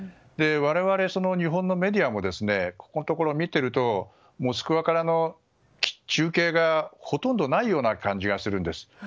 我々、日本のメディアもここのところ見てるとモスクワからの中継がほとんどないような感じがするんです。